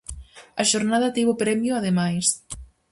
A xornada tivo premio ademais.